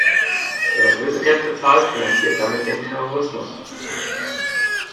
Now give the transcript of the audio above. Wer das Lösegeld bezahlt, finanziert damit den Terrorismus.